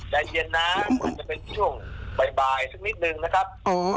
ใจเย็นนะอาจจะเป็นช่วงบ่ายสักนิดนึงนะครับ